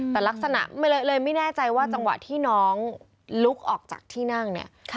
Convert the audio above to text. แต่ลักษณะเลยไม่แน่ใจว่าจังหวะที่น้องลุกออกจากที่นั่งเนี่ย